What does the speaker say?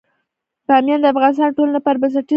بامیان د افغانستان د ټولنې لپاره بنسټيز رول لري.